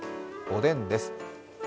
おでんです。